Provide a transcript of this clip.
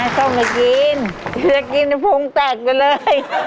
อยากมากินอยากกินผมตากไปเลย